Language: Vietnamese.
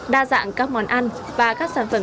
đa dạng các món ăn và các sản phẩm